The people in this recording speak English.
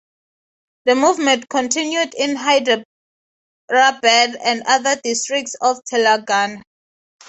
The movement continued in Hyderabad and other districts of Telangana.